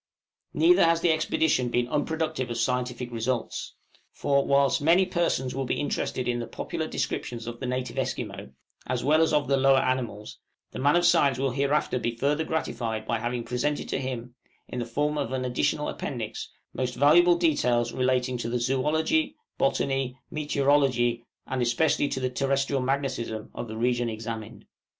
Neither has the expedition been unproductive of scientific results. For, whilst many persons will be interested in the popular descriptions of the native Esquimaux, as well as of the lower animals, the man of science will hereafter be further gratified by having presented to him, in the form of an additional Appendix, most valuable details relating to the zoology, botany, meteorology, and especially to the terrestrial magnetism, of the region examined.